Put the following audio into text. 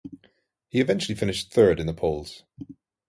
He eventually finished third in the polls.